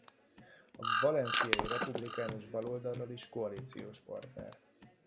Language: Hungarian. A Valenciai Republikánus Baloldallal is koalíciós partner.